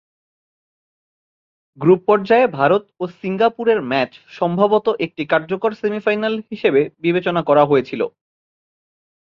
Group পর্যায়ে ভারত ও সিঙ্গাপুরের ম্যাচ সম্ভবত একটি কার্যকর সেমিফাইনাল হিসাবে বিবেচনা করা হয়েছিল।